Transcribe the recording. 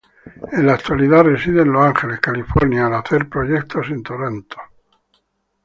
En la actualidad reside en Los Ángeles, California al hacer proyectos en Toronto.